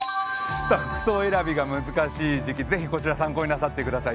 服装選びが難しい時期、ぜひこちら参考になさってください。